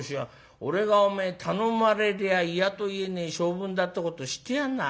俺がお前頼まれりゃあ嫌と言えねえ性分だってこと知ってやんな。